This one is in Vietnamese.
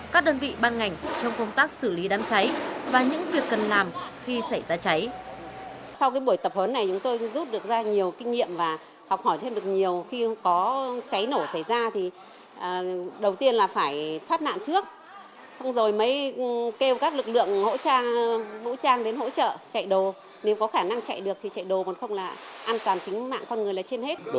các đơn vị ban ngành trong công tác xử lý đám cháy và những việc cần làm khi xảy ra cháy